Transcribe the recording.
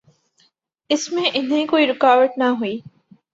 اس میں انہیں کوئی رکاوٹ نہ ہوئی۔